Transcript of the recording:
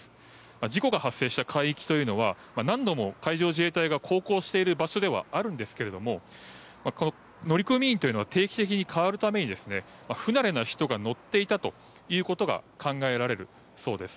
事故が発生した海域は何度も海上自衛隊が航行している場所ではあるんですけれども乗組員というのは定期的に代わるために不慣れな人が乗っていたということが考えられるそうです。